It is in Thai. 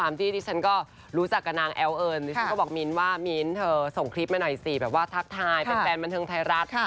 เมษาเอาหน้าร้อนแต่ถ้ามินอ้อนอ่ะน่ารัก